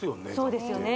そうですよね